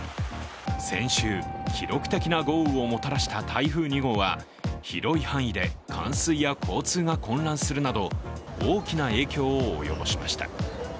先週、記録的な豪雨をもたらした台風２号は広い範囲で冠水や交通が混乱するんあど大きな影響を及ぼしました。